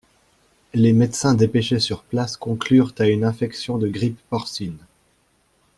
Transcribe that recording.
Les médecins dépêchés sur place conclurent à une infection de grippe porcine.